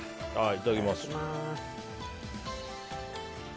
いただきます。